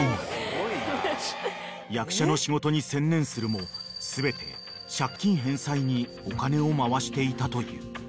［役者の仕事に専念するも全て借金返済にお金を回していたという］